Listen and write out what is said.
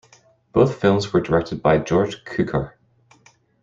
Both films were directed by George Cukor.